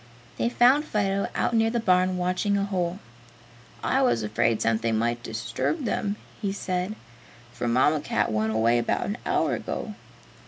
They found Fido out near the barn watching a hole. "I was afraid something might disturb them," he said, "for Mamma Cat went away about an hour ago."